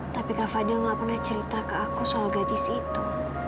tapi kak fadil nggak pernah cerita ke aku soal gadis itu